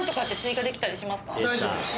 大丈夫です。